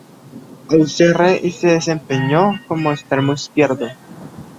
Auxerre y se desempeñó como extremo izquierdo.